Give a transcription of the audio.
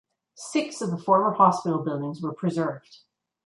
Six of the former hospital buildings were preserved.